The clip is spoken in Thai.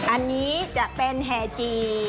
อันนี้จะเป็นแห่จี